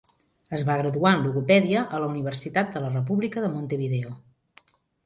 Es va graduar en logopèdia a la Universitat de la República de Montevideo.